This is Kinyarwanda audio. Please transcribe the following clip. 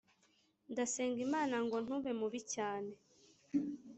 ndasenga imana ngo ntube mubi cyane